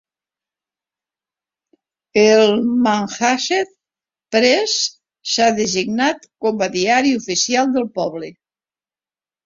El Manhasset Press s'ha designat com a diari oficial del poble.